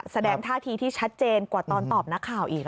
แสดงท่าทีที่ชัดเจนกว่าตอนตอบนักข่าวอีก